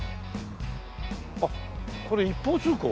あっこれ一方通行？